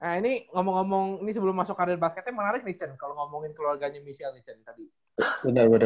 nah ini ngomong ngomong ini sebelum masuk karir basketnya menarik nih chan kalau ngomongin keluarganya misi anisen tadi